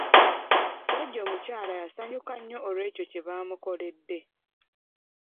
Jjaja omukyala yasanyuka nnyo olw'ekyo kye bamukoledde.